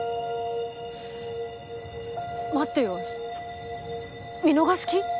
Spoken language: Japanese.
待ってよ見逃す気？